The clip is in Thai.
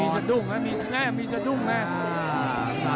สะดุ้งนะมีแง่มีสะดุ้งนะ